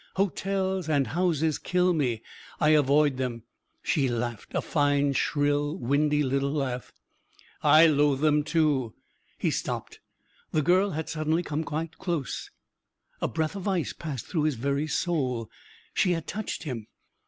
Hotels and houses kill me. I avoid them." She laughed a fine, shrill, windy little laugh. "I loathe them too " He stopped. The girl had suddenly come quite close. A breath of ice passed through his very soul. She had touched him.